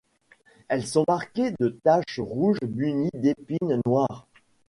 Elles sont marquées de taches rouges munies d'épines noires.